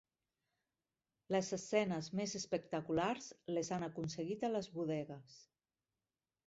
Les escenes més espectaculars les han aconseguit a les bodegues.